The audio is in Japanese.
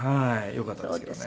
よかったですけどね。